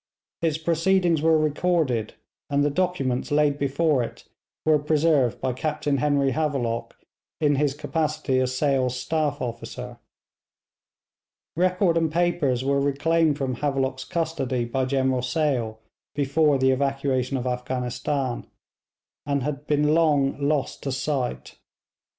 Its proceedings were recorded, and the documents laid before it were preserved by Captain Henry Havelock in his capacity as Sale's staff officer. Record and papers were reclaimed from Havelock's custody by General Sale before the evacuation of Afghanistan, and had been long lost to sight.